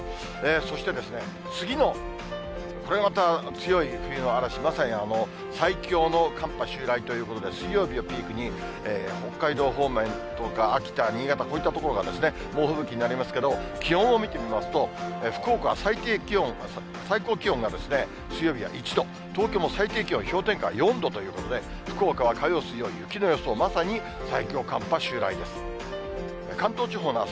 そして、次のこれまた強い冬の嵐、まさに最強の寒波襲来ということで、水曜日をピークに、北海道方面とか、秋田、新潟、こういった所が猛吹雪になりますけれども、気温を見てみますと、福岡は最低気温、最高気温が水曜日は１度、東京も最低気温は氷点下４度ということで、福岡は火曜、水曜、雪の予想、まさに最強寒波襲来です。